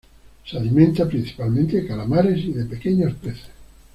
Se alimenta principalmente de calamares y de pequeños peces.